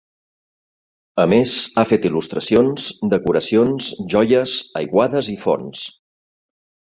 A més, ha fet il·lustracions, decoracions, joies, aiguades i fonts.